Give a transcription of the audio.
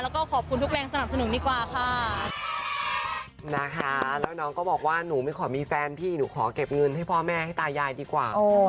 แล้วก็ขอบคุณทุกแรงสนับสนุกดีกว่าค่ะ